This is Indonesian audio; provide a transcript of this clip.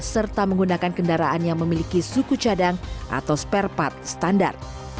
serta menggunakan kendaraan yang memiliki suku cadang atau spare part standar